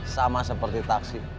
sama seperti taksi